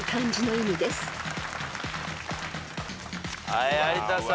はい有田さん。